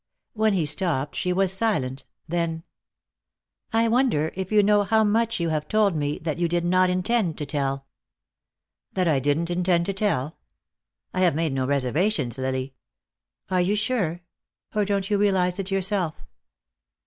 When he stopped she was silent. Then: "I wonder if you know how much you have told me that you did not intend to tell?" "That I didn't intend to tell? I have made no reservations, Lily." "Are you sure? Or don't you realize it yourself?"